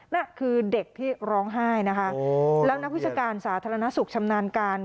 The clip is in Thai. นั่นคือเด็กที่ร้องไห้นะคะแล้วนักวิชาการสาธารณสุขชำนาญการ